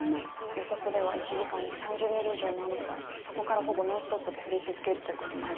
予測では１時間に３０ミリ以上の雨がそこからほぼノンストップで降り続けるということもありえます。